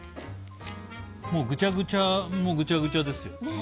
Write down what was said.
もうぐちゃぐちゃもぐちゃぐちゃですよ。